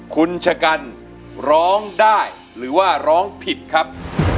คุณชะกันร้องได้หรือว่าร้องผิดครับ